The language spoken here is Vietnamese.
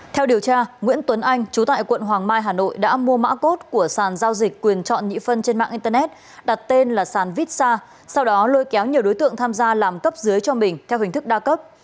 theo điều tra nguyễn tuấn anh chú tại quận hoàng mai hà nội đã mua mã cốt của sàn giao dịch quyền chọn nhị phân trên mạng internet đặt tên là sàn vítsa sau đó lôi kéo nhiều đối tượng tham gia làm cấp dưới cho mình theo hình thức đa cấp